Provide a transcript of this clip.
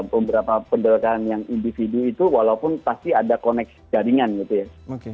beberapa pendekatan yang individu itu walaupun pasti ada koneks jaringan gitu ya